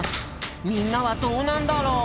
みんなはどうなんだろう？